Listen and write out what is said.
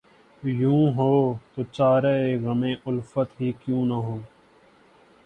یوں ہو‘ تو چارۂ غمِ الفت ہی کیوں نہ ہو